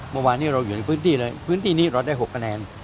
เมื่อวานนี้เราอยู่ในพื้นที่เลยพื้นที่นี้เราได้๖คะแนน